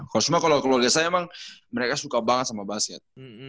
hosma kalau keluarga saya emang mereka suka banget sama basket